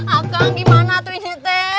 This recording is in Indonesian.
akang gimana tuh ini teh